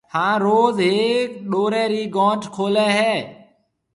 ھان روز ھيَََڪ ڏورَي رِي گھونٺ کولَي ھيََََ